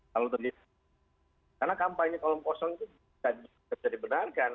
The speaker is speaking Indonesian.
karena kampanye kalau kosong itu bisa dibenarkan